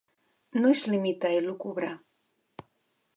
No es limita a elucubrar.